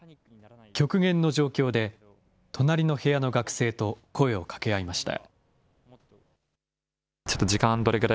極限の状況で、隣の部屋の学生と声を掛け合いました。